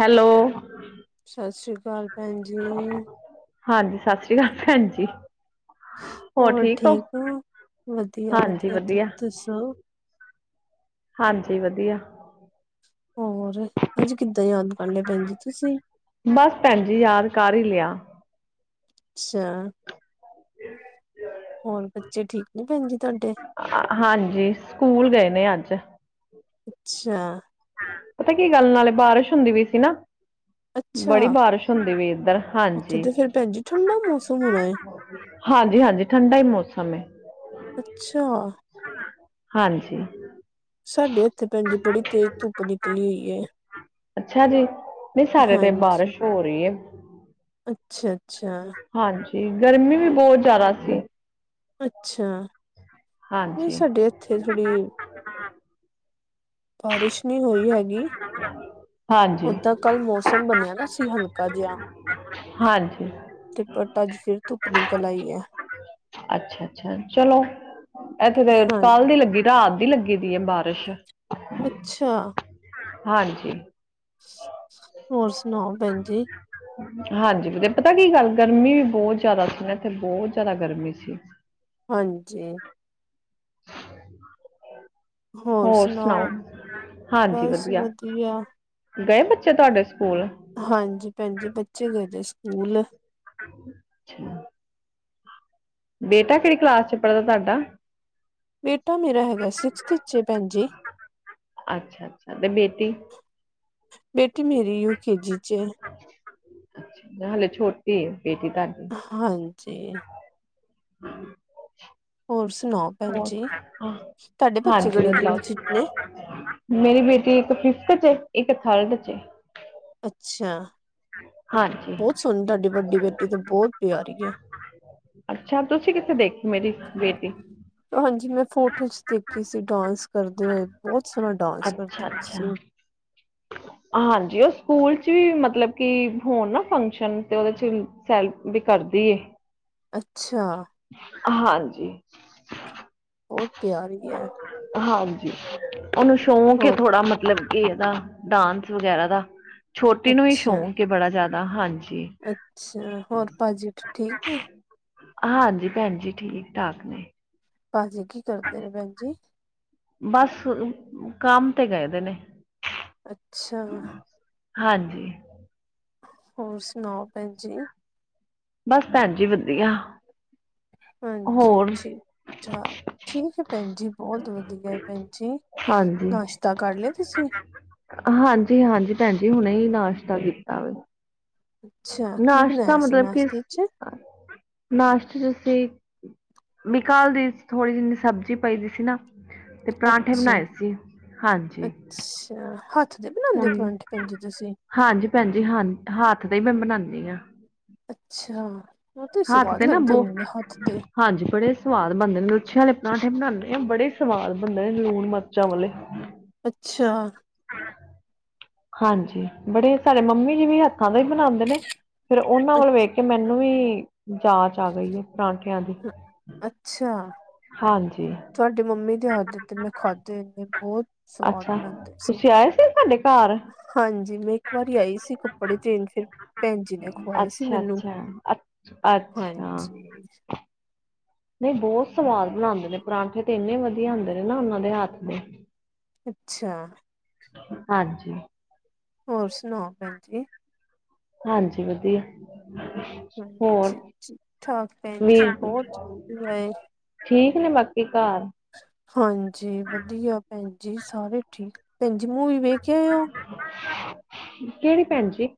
Hello ਸਤਿ ਸ਼੍ਰੀ ਅਕਾਲ ਪੈਣ ਜੀ। ਹਾਂਜੀ ਸਤਿ ਸ਼੍ਰੀ ਅਕਾਲ ਪੈਣ ਜੀ। ਹੋਰ ਠੀਕ ਹੋ ਹਾਂਜੀ ਵਧੀਆ-ਵਧੀਆ ਤੁਸੀਂ ਵਧੀਆ ਦੱਸੋ? ਹਾਂਜੀ ਵਧੀਆ। ਹੋਰ ਅੱਜ ਕਿੱਦਾਂ ਯਾਦ ਕਰ ਲਿਆ ਪੈਣ ਜੀ ਤੁਸੀਂ ਬਸ ਪੈਣ ਜੀ ਯਾਦ ਕਰ ਹੀ ਲਿਆ। ਅੱਛਾ। ਹੋਰ? ਬੱਚੇ ਠੀਕ ਨੇ ਪੈਣ ਜੀ ਤੁਹਾਡੇ ਹਾਂਜੀ ਸਕੂਲ ਗਏ ਨੇ ਅੱਜ। ਅੱਛਾ। ਪਤਾ ਕੀ ਗੱਲ ਨਾਲੇ ਬਾਰਿਸ਼ ਹੁੰਦੀ ਵੀ ਸੀ ਨਾ ਬੜੀ ਅੱਛਾ ਬਾਰਿਸ਼ ਹੁੰਦੀ ਵੀ ਇੱਧਰ ਉੱਥੇ ਹਾਂਜੀ। ਤੇ ਫੇਰ ਭੈਣ ਜੀ ਠੰਡਾ ਮੌਸਮ ਹੋਣਾ ਏ ਹਾਂਜੀ-ਹਾਂਜੀ ਠੰਡਾ ਹੀ ਮੌਸਮ ਏ। ਅੱਛਾ। ਹਾਂਜੀ। ਸਾਡੇ ਇੱਥੇ ਪੈਣ ਜੀ ਬੜੀ ਤੇਜ਼ ਧੁੱਪ ਨਿਕਲੀ ਹੋਈ ਏ। ਅੱਛਾ ਜੀ ਨਹੀਂ ਸਾਡੇ ਤੇ ਬਾਰਿਸ਼ ਹੋ ਰਹੀ ਏ। ਅੱਛਾ-ਅੱਛਾ। ਹਾਂਜੀ ਗਰਮੀ ਵੀ ਬਹੁਤ ਜ਼ਿਆਦਾ ਸੀ। ਅੱਛਾ ਨਹੀਂ ਹਾਂਜੀ ਸਾਡੇ ਇੱਥੇ ਥੋੜੀ ਬਾਰਿਸ਼ ਨਹੀਂ ਹੋਈ ਹੈਗੀ ਹਾਂਜੀ ਓਦਾਂ ਕੱਲ ਮੌਸਮ ਬਣਿਆ ਦਾ ਸੀ ਹਲ ਕਾ ਜਿਹਾ ਹਾਂਜੀ ਤੇ ਪਟਾਜ ਫਿਰ ਧੁੱਪ ਨਿਕਲ ਆਈ ਐ। ਅੱਛਾ-ਅੱਛਾ ਚਲੋ ਇੱਥੇ ਤੇ ਹਾਂ ਕੱਲ੍ਹ ਦੀ ਲੱਗੀ ਰਾਤ ਦੀ ਲੱਗੀ ਦੀ ਐ ਬਾਰਿਸ਼। ਅੱਛਾ। ਹਾਂਜੀ। ਹੋਰ ਸੁਣਾਓ ਪੈਣ ਜੀ ਹਾਂਜੀ ਵੀ ਪਤਾ ਕੀ ਗੱਲ ਗਰਮੀ ਵੀ ਬਹੁਤ ਜ਼ਿਆਦਾ ਸੀ ਨਾ ਇੱਥੇ ਬਹੁਤ ਜ਼ਿਆਦਾ ਗਰਮੀ ਸੀ। ਹਾਂਜੀ। ਹੋਰ ਸੁਣਾਓ ਹਾਂਜੀ ਵਧੀਆ ਗਏ ਬੱਚੇ ਤੁਹਾਡੇ ਸਕੂਲ ਹਾਂਜੀ ਪੈਣਜੀ ਬੱਚੇ ਗਦੇ ਦੇ ਸਕੂਲ। ਅੱਛਾ। ਬੇਟਾ ਕਿਹੜੀ ਕਲਾਸ ਚ ਪੜ੍ਹਦਾ ਤੁਹਾਡਾ? ਬੇਟਾ ਮੇਰਾ ਹੈਗਾ ਸਿਕਸਥ ਚ ਏ ਪੈਣ ਜੀ ਅੱਛਾ-ਅੱਛਾ ਤੇ ਬੇਟੀ? ਬੇਟੀ ਮੇਰੀ ਯੂ ਕੇਜੀ ਚ ਏ। ਹੱਲੇ ਛੋਟੀ ਏ ਬੇਟੀ ਤਾਡੀ। ਹਾਂਜੀ ਹੋਰ ਸੁਣਾਓ ਭੈਣ ਜੀ। ਹੋਰ ਤੁਹਾਡੇ ਬੱਚੇ ਹਾਂਜੀ ਕਿਹੜੀ ਕਲਾਸ ਚ ਨੇ? ਵਧੀਆ ਮੇਰੀ ਬੇਟੀ ਇੱਕ ਫਿਫਥ ਚ ਇੱਕ ਥਰਡ ਚ ਅੱਛਾ ਹਾਂਜੀ। ਬਹੁਤ ਸੋਹਣੀ ਤੁਹਾਡੀ ਵੱਡੀ ਬੇਟੀ ਤੇ ਬਹੁਤ ਪਿਆਰੀ ਹੈ। ਅੱਛਾ ਤੁਸੀਂ ਕਿੱਥੇ ਦੇਖ ਮੇਰੀ ਬੇਟੀ ਹਾਂਜੀ ਮੈਂ ਫੋਟੋ ਚ ਦੇਖੀ ਸੀ ਡਾਂਸ ਕਰਦੇ ਹੋਏ ਬਹੁਤ ਸੋਹਣਾ ਡਾਂਸ ਅੱਛਾ ਕਰਦੀ ਅੱਛਾ ਸੀ [unintelligible] ਹਾਂਜੀ ਉਹ ਸਕੂਲ ਚ ਵੀ ਮਤਲਬ ਕਿ ਹੋਣ ਨਾ ਫੰਕਸ਼ਨ ਤੇ ਉਹਦੇ ਚ ਸੈੱਲ ਵੀ ਕਰਦੀ ਅੱਛਾ ਹਾਂਜੀ ਉਹ ਤਿਆਰੀ ਹੈ। ਹਾਂਜੀ ਉਹਨੂੰ ਸ਼ੌਕ ਹੈ ਹੋਰ ਥੋੜਾ ਮਤਲਬ ਕਿ ਇਹਦਾ ਡਾਂਸ ਵਗੈਰਾ ਦਾ ਛੋਟੀ ਨੂੰ ਹੀ ਅੱਛਾ ਸ਼ੌਕ ਬੜਾ ਜ਼ਿਆਦਾ ਹਾਂਜੀ ਅੱਛਾ ਹੋਰ ਭਾਜੀ ਠੀਕ ਨੇ ਹਾਂਜੀ ਭੈਣ ਜੀ ਠੀਕ ਠਾਕ ਨੇ ਭਾਜੀ ਕੀ ਕਰਦੇ ਨੇ ਭੈਣ ਜੀ ਬਸ ਕੰਮ ਤੇ ਗਏ ਦੇ ਨੇ ਅੱਛਾ ਹਾਂਜੀ ਹੋਰ ਸੁਣਾਓ ਭੈਣ ਜੀ ਬਸ ਭੈਣ ਜੀ ਵਧੀਆ ਹਾਂਜੀ ਹੋਰ ਠੀਕ ਠੀਕ ਹੈ ਭੈਣਜੀ ਬਹੁਤ ਵਧੀਆ ਭੈਣ ਜੀ ਹਾਂਜੀ ਨਾਸ਼ਤਾ ਕਰ ਲਿਆ ਤੁਸੀਂ ਹਾਂਜੀ ਹਾਂਜੀ ਭੈਣ ਜੀ ਹੁਣੇ ਹੀ ਨਾਸ਼ਤਾ ਕੀਤਾ ਵਾ ਅੱਛਾ ਕੀ ਨਾਸ਼ਤਾ ਬਣਾਇਆ ਸੀ ਮਤਲਬ ਕਿ ਨਾਸ਼ਤੇ ਚ ਨਾਸ਼ਤੇ ਸੀ ਬਕਾਲ ਦੀ ਥੋੜੀ ਜਿਨੀ ਸਬਜ਼ੀ ਪਈ ਦੀ ਸੀ ਨਾ ਪਰਾਂਠੇ ਅੱਛਾ ਬਣਾਏ ਸੀ ਹਾਂਜੀ ਅੱਛਾ ਹੱਥ ਦੇ ਬਣਾਉਂਦੇ ਹੋ ਹੁਣ ਪਰੌਠੇ ਭੈਣ ਜੀ ਤੁਸੀਂ ਹਾਂਜੀ ਭੈਣਜੀ ਹਾਂ ਹੱਥ ਦਾ ਹੀ ਮੈਂ ਬਨਾਉਦੀ ਹਾਂ ਅੱਛਾ ਉਹ ਤੇ ਹੱਥ ਸਵਾਦ ਨਾ ਲੱਗਦੇ ਬਹੁ ਹੁੰਦੇ ਹੱਥ ਦੇ ਹਾਂਜੀ ਬੜੇ ਸਵਾਦ ਬਣਦੇ ਨੇ ਲਛੇ ਵਾਲੇ ਪਰਾਂਠੇ ਬਣਾਉਦੇ ਆ ਬੜੇ ਸਵਾਦ ਬਣਦੇ ਨੇ ਲੂਣ ਮਰਚਾਂ ਵਾਲੇ ਅੱਛਾ ਹਾਂਜੀ ਬੜੇ ਸਾਡੇ ਮੰਮੀ ਜੀ ਵੀ ਹੱਥਾਂ ਦਾ ਹੀ ਬਣਾਉਂਦੇ ਨੇ ਫੇਰ ਉਹਨਾਂ ਵੱਲ ਵੇਖ ਕੇ ਮੈਨੂੰ ਵੀ ਜਾਂਚ ਆ ਗਈ ਹੈ ਪਰਾਂਠਿਆਂ ਦੀ ਅੱਛਾ ਹਾਂਜੀ ਤੁਹਾਡੇ ਮੰਮੀ ਦੇ ਹੱਥ ਦੇ ਤੇ ਮੈਂ ਖਾਦੇ ਤੇ ਬਹੁਤ ਸਵਾਦ ਅੱਛਾ ਬਣਾਉਦੇ ਸੀ। ਤੁਸੀਂ ਆਏ ਸਾਡੇ ਘਰ ਹਾਂਜੀ ਮੈਂ ਇੱਕ ਵਾਰੀ ਆਈ ਸੀ ਕੱਪੜੇ ਦੇਨ ਫਿਰ ਭੈਣ ਜੀ ਨੇ ਖਵਾਏ ਸੀ ਅੱਛਾ ਮੈਨੂੰ ਅੱਛਾ ਅ ਅੱਛਾ ਹਾਂਜੀ ਨਹੀਂ ਬਹੁਤ ਸਵਾਦ ਬਣਾਉਂਦੇ ਨੇ ਪਰਾਂਠੇ ਤੇ ਇੰਨੇ ਵਧੀਆ ਹੁੰਦੇ ਨੇ ਨਾ ਉਹਨਾਂ ਦੇ ਹੱਥ ਦੇ ਅੱਛਾ ਹਾਂਜੀ ਹੋਰ ਸੁਣਾਓ ਭੈਣ ਜੀ ਹਾਂਜੀ ਵਧੀਆ ਹਾਂਜੀ ਹੋਰ ਠੀਕ ਠਾਕ ਭੈਣ ਜੀ ਵੀਰ ਬਹੁਤ ਏ ਠੀਕ ਨੇ ਬਾਕੀ ਘਰ ਹਾਂਜੀ ਵਧੀਆ ਭੈਣ ਜੀ ਸਾਰੇ ਠੀਕ ਭੈਣ ਜੀ ਮੂੰਵੀ ਵੇਖ ਆਏ ਹੋ ਕਿਹੜੀ ਭੈਣ ਜੀ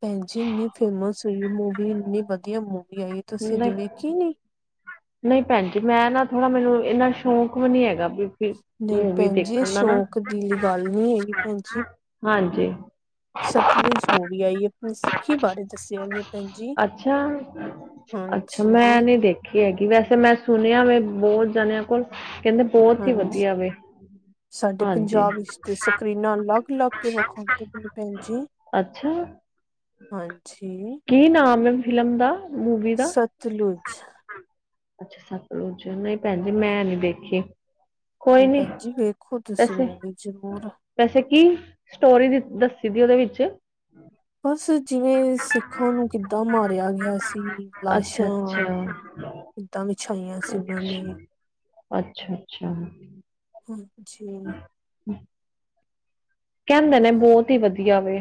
ਭੈਣ ਜ ਇੰਨੀ ਫੇਮਸ ਹੋਈ ਮੂਵੀ ਇੰਨੀ ਵਧੀਆ ਮੂਵੀ ਆਈ ਤੁਸੀਂ ਦੇ ਨਹੀਂ ਵੇਖੀ ਨੀ ਨਹੀਂ ਭੈਣ ਜੀ ਮੈਂ ਨਾ ਥੋੜਾ ਮੈਨੂੰ ਇੰਨਾ ਸ਼ੌਕ ਵੀ ਨੀ ਹੈਗਾ ਵੀ ਨਹੀਂ ਮੂਵੀ ਭੈਣ ਜੀ ਇਹ ਦੇਖਣ ਦਾ ਨਾ ਸ਼ੌਕ ਦੀ ਗੱਲ ਨੀ ਹੈਗੀ ਭੈਣ ਜੀ ਹਾਂਜੀ ਸਤਲੁਜ ਹੋ ਵੀ ਆਈਏ ਆਪਣੀ ਸਿੱਖੀ ਬਾਰੇ ਦੱਸਿਆਗੇ ਅੱਛਾ ਅੱਛਾ ਹਾਂਜੀ ਮੈਂ ਨਹੀਂ ਦੇਖ ੀ ਹੈਗੀ ਵੈਸੇ ਮੈਂ ਸੁਣਿਆ ਵ ਬਹੁਤ ਜਣਿਆਂ ਕੋਲ ਕਹਿੰਦੇ ਬਹੁਤ ਹੀ ਹਾਂਜੀ ਵਧੀਆ ਵ ਸਾਡੇ ਪੰਜਾਬ ਵਿੱਚ ਸਕਰੀਨਾਂ ਅਲੱਗ ਅਲੱਗ ਕੇ ਵਿਖਾਉਦੇ ਪ ਨੇ ਭੈਣ ਜੀ ਅੱਛਾ ਹਾਂਜੀ ਕੀ ਨਾਮ ਹੈ ਫਿਲਮ ਦਾ ਮੂਵੀ ਦਾ ਸਤਲੁਜ ਅੱਛਾ ਸਤਲੁਜ ਨਹੀਂ ਭੈਣ ਜੀ ਮੈਂ ਨੀ ਦੇਖੀ ਕੋਈ ਨੀ ਭੈਣ ਜਜੀ ਵੇਖੋ ਤੁਸੀਂ ਵੈਸੇ ਮੂੰ ਜ਼ਰੂਰ ਵੈਸੇ ਕੀ ਸਟੋਰੀ ਦੱਸੀ ਦੀ ਉਹਦੇ ਵਿੱਚ ਬਸ ਜਿਵੇਂ ਸਿੱਖਾਂ ਨੂੰ ਕਿੱਦਾਂ ਮਾਰਿਆ ਗਿਆ ਸੀ ਅੱਛਾ ਅੱਛਾ ਲਾਸ਼ਾਂ ਏਦਾਂ ਵਿਛਾਈਆਂ ਸੀ ਉਹਨਾਂ ਨੇ ਅੱਛਾ ਅੱਛਾ ਅੱਛਾ ਹਮ ਜੀ ਹਮ ਕਹਿੰਦੇ ਨੇ ਬਹੁਤ ਹੀ ਵਧੀਆ ਵੇ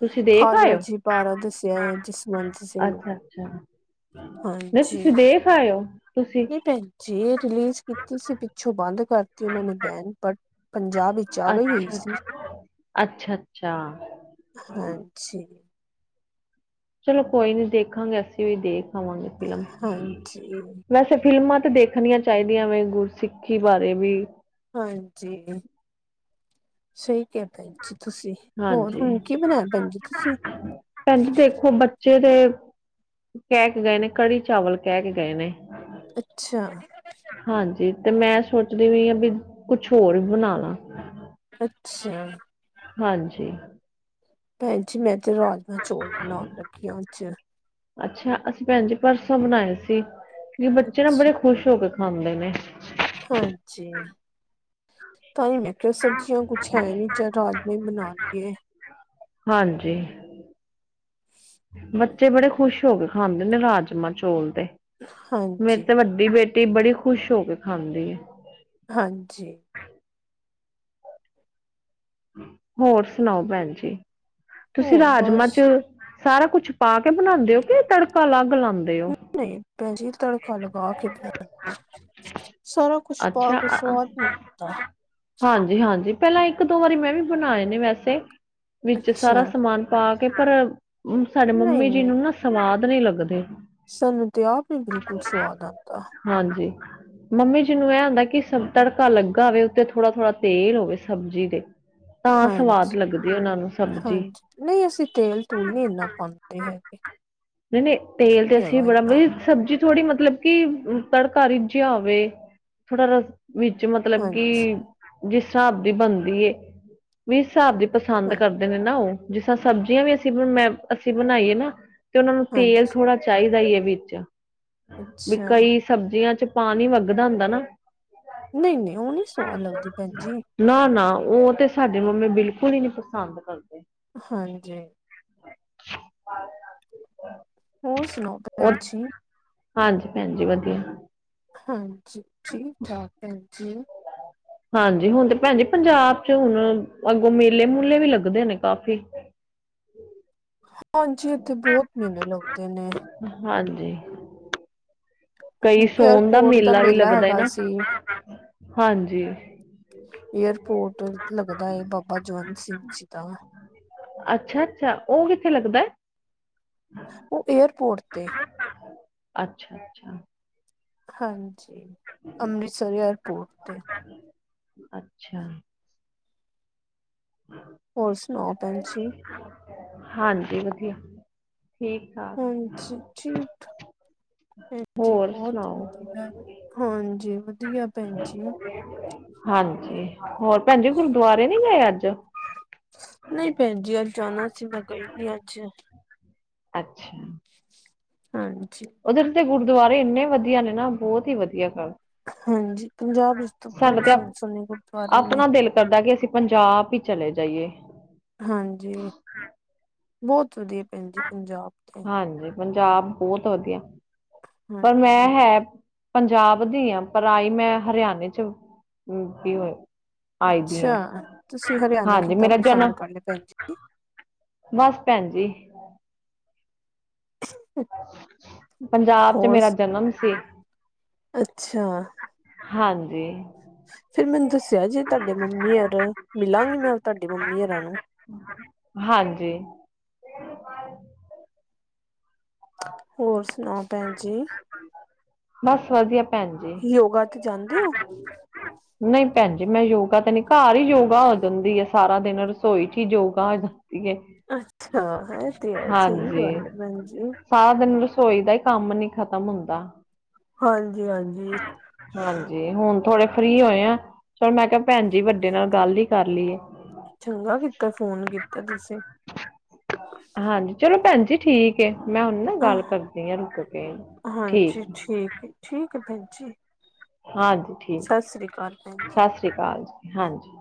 ਤੁਸੀਂ ਦੇਖ ਆਏ ਹੋ ਖਾਲਵਰਜੀ ਪਾਰਾ ਦੱਸਿਆ ਹੈ ਜਸਵੰਤ ਸਿੰਘ ਅੱਛਾ ਨਹੀਂ ਹਾਂਜੀ ਤੁਸੀਂ ਦੇਖ ਆਇਓ ਤੁਸੀਂ ਜੇ ਰਿਲੀਜ਼ ਕੀਤੀ ਸੀ ਪਿੱਛੋਂ ਬੰਦ ਕਰਤੀ ਉਹ ਨੇ ਬੈਨ ਪ ਪੰਜਾਬ ਵਿੱਚ ਆ ਗਈ ਹੋਈ ਅੱਛਾ ਸੀ ਅੱਛਾ ਅੱਛਾ ਅੱਛਾ ਹਾਂਜੀ ਚਲੋ ਕੋਈ ਨੀ ਦੇਖਾਂਗੇ ਅਸੀਂ ਵੀ ਦੇਖ ਆਵਾਂਗੇ ਫਿਲਮ ਹਾਂਜੀ ਵੈਸ ਅੱਾ ਫਿਲਮਾਂ ਤਾਂ ਦੇਖਣੀਆਂ ਚਾਹੀਦੀਆਂ ਵ ਗੁਰਸਿੱਖੀ ਬਾਰੇ ਵੀ ਹਾਂਜੀ ਸਹੀ ਕਿਹਾ ਭੈਣ ਜੀ ਤੁਸੀਂ ਹੋਰ ਹਾਂਜੀ ਹੁਣ ਕੀ ਬਣਾਇਆ ਭੈਣ ਜੀ ਤੁਸੀਂ ਜਿਦੇ ਕਹਿ ਕੇ ਗਏ ਨੇ ਕੜੀ ਚਾਵਲ ਕਹਿ ਕੇ ਗਏ ਨੇ ਅੱਛਾ ਹਾਂਜੀ ਤੇ ਮੈਂ ਸੋਚਦੀ ਵੀਈ ਹਾਂ ਵੀ ਕੁਛ ਹੋਰ ਬਣਾ ਲਾ ਅੱਛਾ ਹਾਂਜੀ ਭੈਣ ਜੀ ਮੈਂ ਤੇ ਰਾਜਮਾਂ ਚੋਲ ਬਣਾਉਣ ਲੱਗੀ ਅੱਜ ਅੱਛਾ ਅਸੀਂ ਭੈਣ ਜੀ ਪਰਸੋਂ ਬਨਾਏ ਸੀ ਕਿਉਕਿ ਬੱਚੇ ਨਾ ਅੱਛਾ ਬੜੇ ਖੁਸ਼ ਹੋ ਕੇਏ ਹਦੇ ਨੇ ਹਾਂਜੀ ਤਾਂ ਹੀ ਮੈਂ ਕਿਹਾ ਸਬ੍ਜ਼ੀਆਂ ਕੁੱਝ ਹੈ ਨੀ ਚਾਰਜ ਨੇ ਬਣਾ ਲਏ ਹਾਂਜੀ ਬੱਚੇ ਬੜੇ ਖੁਸ਼ ਹੋ ਕੇ ਖਾਂਦੇ ਨੇ ਰਾਜਮਾਂ ਚੋਲ ਤੇ ਮੇਰੀ ਹਾਂਜੀ ਤੇ ਵੱਡੀ ਬੇਟੀ ਬੜੀ ਖੁਸ਼ ਹੋ ਕੇ ਖਾਂਦੀ ਆ ਹਾਂਜੀ ਹੋਰ ਸੁਣਾਓ ਭੈਣ ਜੀ ਤੁਸੀਂ ਹੋਰ ਰਾਜਮਾਂ ਬਸ ਚ ਸਾਰਾ ਕੁਛ ਪਾ ਕੇ ਬਣਾਉਂਦੇ ਹੋ ਕਿ ਤੜਕਾ ਅਲੱਗ ਲਾਉਂਦੇ ਹੋ ਨਹੀਂ ਭੈ ਜ ਤੜਕਾ ਲਗਾ ਕੇ ਬ ਸਾਰਾ ਕੁਛ ਪਾ ਅੱਛਾ ਕੇ ਸਵਾਦ ਨੀ ਆਦਾ ਹਾਂਜੀ ਹਾਂਜੀ ਪਹਿਲਾਂ ਇੱਕ ਦੋ ਵਾਰੀ ਮੈਂ ਵੀ ਬਣਾਏ ਨੇ ਵੈਸੇ ਵਿੱਚ ਅੱਛਾ। ਸਾਰਾ ਸਮਾਨ ਪਾ ਕੇ ਪਰ ਸਾਡੇ ਮੰਮੀ ਜੀ ਨਹੀਂ-ਨਹੀਂ ਨੂੰ ਨਾ ਸਵਾਦ ਨੀ ਲੱਗਦੇ ਸਾਨੂੰ ਤੇ ਆਪ ਹੀ ਬਿਲਕੁਲ ਸਵਾਦ ਆਉਂਦਾ ਹਾਂਜੀ ਮੰਮੀ ਜਿਹਨੂੰ ਇਹ ਹੁੰਦਾ ਕਿ ਸ ਤੜਕਾ ਲੱਗਾ ਹੋਵੇ ਉੱਤੇ ਥੋੜਾ- ਥੋੜਾ ਤੇਲ ਹੋਵੇ ਸਬਜ਼ੀ ਦੇ। ਤਾਂ ਸਵਾਦ ਲੱਗਦੀ ਉਹਨਾਂ ਨੂੰ ਸਬਜ਼ੀ ਹਾਂਜੀ-ਹਾਂਜੀ ਨਹੀ ਅਸੀ ਤੇਲ ਤੂਲ ਨੀ ਇੰਨਾ ਪਾਉਂਦੇ ਹੈਗੇ। ਨਈਂ-ਨਈਂ ਤੇਲ ਤੇ ਨੀ ਅਸੀਂ ਹੈਗਾ ਬੜਾ ਇੰਨਾ ਮਤ ਸਬਜ਼ੀ ਥੋੜ੍ਹੀ ਮਤਲਬ ਕਿ ਤੜਕਾ ਰਿਜਿਆ ਹੋਵੇ ਥੋੜਾ ਰਸ ਵਿੱਚ ਮਤਲਬ ਕਿ ਹਾਂਜੀ-ਹਾਂ ਜਿਸ ਸਾਬ ਦੀ ਬਣਦੀ ਏ ਜਿਸ ਸਾਬ ਦੀ ਪਸੰਦ ਕਰਦਾ ਨੇ ਨਾ ਉਹ ਜਿਸਰਾ ਸਬਜ਼ੀਆਂ ਵੀ ਅਸੀਂ ਮ ਅਸੀਂ ਬਣਾਈਏ ਨਾ ਤੇ ਉਹਨਾਂ ਨੂੰ ਤੇਲ ਹਾਂਜੀ ਥੋੜ੍ਹਾ ਚਾਹੀਦਾ ਹੀ ਹੈ ਵਿੱਚ ਵੀ ਅੱਛਾ ਕਈ ਸਬਜ਼ੀਆਂ ਚ ਪਾਣੀ ਵੱਗਦਾ ਹੁੰਦਾ ਨਾ ਨਈ-ਨਈ ਉਹ ਨੀ ਸੁਆਦ ਲਗਦੀ ਭੈਣ ਜੀ। ਨਾ-ਨਾ ਉਹ ਤੇ ਸਾਡੇ ਮੰਮੀ ਬਿਲਕੁਲ ਹੀ ਨੀ ਪਸੰਦ ਕਰਦੇ। ਹਾਂਜੀ ਹੋਰ ਸੁਣਾਓਣ ਉਹ ਭੈਣ ਜੀ। ਹਾਂਜੀ ਭੈਣ ਜੀ ਵਧੀਆ। ਹਾਂਜੀ ਠੀਕ-ਠਾਕ ਭੈਣ ਜੀ। ਹਾਂਜੀ ਹੁਣ ਤੇ ਭੈਣ ਜੀ ਪੰਜਾਬ ਚ ਹੁਣ ਅੱਗੋਂ ਮੇਲੇ ਮੂਲੇ ਵੀ ਲੱਗਦੇ ਹੋਣੇ ਕਾਫ਼ੀ। ਹਾਂਜੀ ਇੱਥੇ ਬਹੁਤ ਮਹੀਨੇ ਲੱਗਦੇ ਨੇ। ਹਾਂਜੀ ਕਈ ਸੋਣ ਦਾ ਏਅਰਪੋਰਟ ਮੇਲਾ ਵੀ ਲੱਗਦਾ ਹੈਗਾ ਨਾ ਸੀ। ਹਾਂਜੀ। ਏਅਰਪੋਰਟ ਲੱਗਦਾ ਏ ਬਾਬਾ ਜਵੰਤ ਸਿੰਘ ਜੀ ਦਾ। ਅੱਛਾ-ਅੱਛਾ ਉਹ ਕਿੱਥੇ ਲੱਗਦਾ? ਉਹ ਏਅਰਪੋਰਟ ਤੇ। ਅੱਛਾ-ਅੱਛਾ ਹਾਂਜੀ ਅੰਮ੍ਰਿਤਸਰ ਏਅਰਪੋਰਟ ਤੇ। ਅੱਛਾ ਹੋਰ ਸੁਣਾਓ ਭੈਣ ਜੀ ਹਾਂਜੀ ਵਧੀਆ ਠੀਕ ਠਾਕ ਹਾਂਜੀ ਠੀਕ। ਭੈਣ ਜੀ ਹੋਰ ਬਹੁਤ ਸੁਣਾਓ ਵਧੀਆ ਏ ਹਾਂਜੀ ਵਧੀਆ ਭੈਣ ਜੀ। ਹਾਂਜੀ ਹੋਰ ਭੈਣ ਜੀ ਗੁਰਦੁਆਰੇ ਨੀ ਗਏ ਆਜ। ਨਹੀਂ ਭੈਣ ਜੀ ਅੱਜ ਜਾਣਾ ਸੀ ਮੈਂ ਗਈ ਨੀ ਅੱਜ। ਅੱਛਾ ਹਾਂਜੀ ਉਧਰ ਦੇ ਗੁਰਦੁਆਰੇ ਇੰਨੇ ਵਧੀਆ ਨੇ ਨਾ ਬਹੁਤ ਹੀ ਵਧੀਆ [unintelligible] ਹਾਂਜੀ ਪੰਜਾਬ ਵਿੱਚ ਤਾਂ ਬਹੁਤ ਸਾਡਾ ਤੇ ਸੋਹਣੇ-ਸੋਹਣੇ ਗੁਰਦੁਆਰੇ ਨੇ। ਆਪਣਾ ਦਿਲ ਕਰਦਾ ਕਿ ਅਸੀਂ ਪੰਜਾਬ ਹੀ ਚਲੇ ਜਾਈਏ। ਹਾਂਜੀ ਬਹੁਤ ਵਧੀਆ ਭੈਣ ਜੀ ਪੰਜਾਬ ਤੇ ਹਾਂਜੀ ਪੰਜਾਬ ਬੌਤ ਵਧੀਆ ਪਰ ਮੈਂ ਹਾਂਜੀ ਹੈ ਪੰਜਾਬ ਦੀ ਆ ਪਰ ਆਈ ਮੈਂ ਹਰਿਆਣੇ ਚ ਵੀ ਹੋਇ ਅੱਛਾ ਤੁਸੀਂ ਹਰਿਆਣਾ ਹਾਂਜੀ ਕਿੱਦਾਂ ਮੇਰਾ ਜਨਮ ਪਸੰਦ ਕਰ ਲਿਆ ਪੈ ਬਸ ਭੈਣ ਜੀ। ਪੰਜਾਬ ਚ ਹੋਰ ਮੇਰਾ ਜਨਮ ਸੀ। ਅੱਛਾ ਹਾਂਜੀ ਫਿਰ ਮੈਨੂੰ ਦੱਸਿਆ ਜੇ ਤੁਹਾਡੇ ਮੰਮੀ ਹਰ ਮਿਲਾਂਗੀ ਮੈਂ ਤੁਹਾਡੇ ਮੰਮੀ ਹੋਰਾਂ ਨੂੰ। ਹਾਂਜੀ ਹੋਰ ਸੁਣਾਓ ਭੈਣ ਜੀ। ਬਸ ਵਧੀਆ ਭੈਣ ਜੀ। ਯੋਗਾ ਤੇ ਜਾਂਦੇ ਹੋ ਨਹੀਂ ਭੈਣ ਜੀ ਮੈਂ ਯੋਗਾ ਤਾਂ ਨੀ ਘਰ ਹੀ ਯੋਗਾ ਹੋ ਜਾਂਦੀ ਹੈ ਸਾਰਾ ਦਿਨ ਰਸੋਈ ਚ ਹੀ ਯੋਗਾ ਦੀ ਏ। ਅੱਛਾ ਇਹ ਤੇ ਸਹੀ ਗੱਲ ਹੈ ਭੈਣ ਜੀ। ਸਾਰਾ ਦਿਨ ਰਸੋਈ ਦਾ ਹੀ ਕੰਮ ਨੀ ਖਤਮ ਹੁੰਦਾ। ਹਾਂਜੀ ਹਾਂਜੀ। ਹਾਂਜੀ ਹੁਣ ਥੋੜੇ ਫਰੀ ਹੋਏ ਆ ਚਲ ਮੈਂ ਕਿਹਾ ਭੈਣ ਜੀ ਵੱਡੇ ਨਾਲ ਗੱਲ ਹੀ ਕਰ ਲਈਏ ਚੰਗਾ ਕੀਤਾ ਫੋਨ ਕੀਤਾ ਤੁਸੀਂ ਹਾਂਜੀ ਚਲੋ ਭੈਣ ਜੀ ਠੀਕ ਮੈਂ ਹੁਣ ਨਾ ਗੱਲ ਕਰਦੀ ਹਾਂ ਰੁਕ ਕੇ ਠੀਕ। ਹਾਂਜੀ ਠੀਕ ਹੈ। ਠੀਕ ਹੈ ਭੈਅ ਜੀ। ਹਾਂਜੀ ਠੀਕ ਸਤਿ ਸ੍ਰੀ ਅਕਾਲ ਭੈਣ ਜੀ ਸਤਿ ਸ੍ਰੀ ਅਕਾਲ ਜੀ ਹਾਂਜੀ।